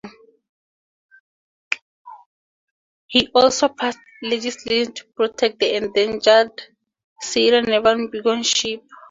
He also passed legislation to protect the endangered Sierra Nevada bighorn sheep.